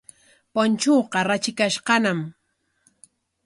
Punchuuqa ratrikashqañam.